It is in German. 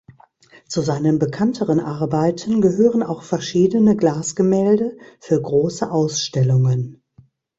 Zu seinen bekannteren Arbeiten gehören auch verschiedene Glasgemälde für große Ausstellungen.